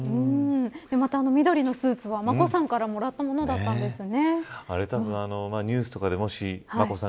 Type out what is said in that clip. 緑のスーツは眞子さんからもらったものだったんですね。